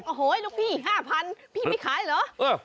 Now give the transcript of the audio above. โอ้โหลูกพี่๕๐๐พี่ไม่ขายเหรอ